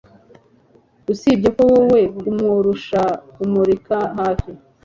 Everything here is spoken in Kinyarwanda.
Usibye ko wowe kumurusha Kumurika hafi